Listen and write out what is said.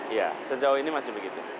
iya sejauh ini masih begitu